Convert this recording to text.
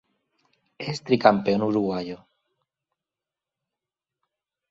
Es tricampeón uruguayo.